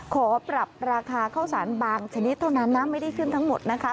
ขอปรับราคาข้าวสารบางชนิดเท่านั้นนะไม่ได้ขึ้นทั้งหมดนะคะ